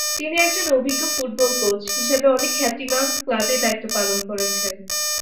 তিনি একজন অভিজ্ঞ ফুটবল কোচ হিসাবে অনেক খ্যাতিমান ক্লাবে দায়িত্ব পালন করেছেন।